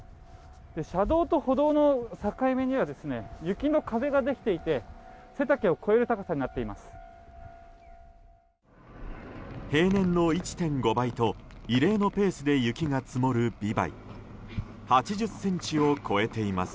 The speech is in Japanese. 車道と歩道の境目には雪の壁ができていて背丈を超える高さになっています。